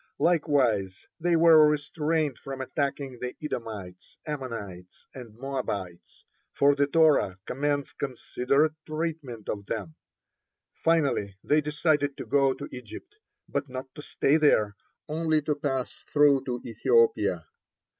Likewise they were restrained from attacking the Edomites, Ammonites, and Moabites, for the Torah commands considerate treatment of them. Finally they decided to go to Egypt, but not to stay there, only to pass through to Ethiopia.